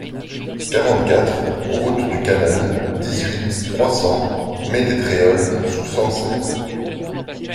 quarante-quatre route du Canal, dix-huit, trois cents, Ménétréol-sous-Sancerre